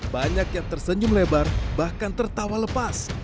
banyak yang tersenyum lebar bahkan tertawa lepas